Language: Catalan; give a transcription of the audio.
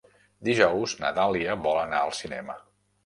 Dijous na Dàlia vol anar al cinema.